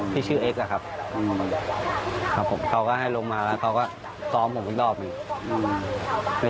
ที่ชื่อเอ็กซอะครับครับผมเขาก็ให้ลงมาแล้วเขาก็ซ้อมผมอีกรอบหนึ่ง